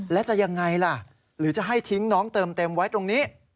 แล้วจะยังไงล่ะหรือจะให้ทิ้งน้องเติมเต็มไว้ตรงนี้